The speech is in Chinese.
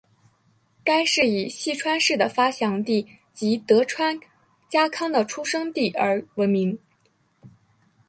该市以细川氏的发祥地及德川家康的出生地而闻名。